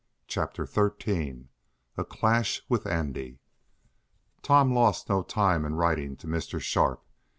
Chapter Thirteen A Clash with Andy Tom lost no time in writing to Mr. Sharp.